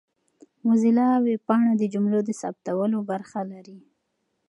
موزیلا ویبپاڼه د جملو د ثبتولو برخه لري.